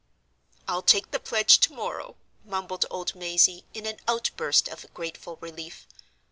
"I'll take the Pledge to morrow!" mumbled old Mazey, in an outburst of grateful relief.